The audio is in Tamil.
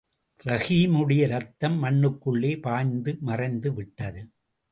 ரஹீமுடைய் ரத்தம் மண்ணுக்குள்ளே பாய்ந்து மறைந்துவிட்டது.